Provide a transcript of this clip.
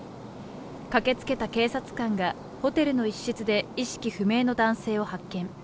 駆け付けた警察官がホテルの一室で、意識不明の男性を発見。